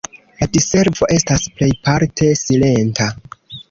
La diservo estas plejparte silenta.